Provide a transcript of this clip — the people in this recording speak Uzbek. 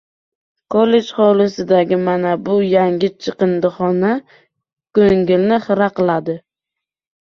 Kollej hovlisidagi mana bu yangi chiqindixona koʻngilni xira qiladi.